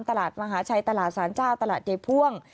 ตลาดมหาชัยตลาดสารเจ้าตลาดยายพ่วง